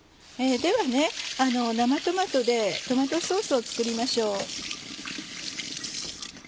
ではね生トマトでトマトソースを作りましょう。